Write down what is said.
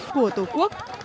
của tây nguyên